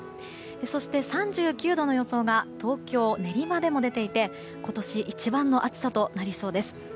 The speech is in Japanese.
そして、３９度の予想が東京・練馬でも出ていて今年一番の暑さとなりそうです。